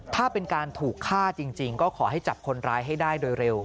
ถ้าเป็นการถูกฆ่าจริงก็ขอให้จับคนร้ายให้ได้โดยเร็ว